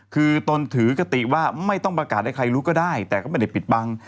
คือตนถือกติว่าไม่ต้องประกาศให้ใครรู้ก็ได้แต่ก็ไม่ได้ปิดบัง